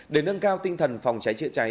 để nâng cao tinh thần phòng cháy chữa cháy